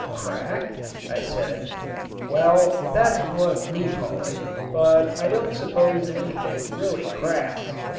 "Crack?" said I. "Well, that's what we call it, but I don't suppose anything really cracks.